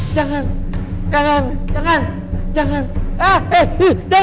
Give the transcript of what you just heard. jangan jangan jangan jangan jangan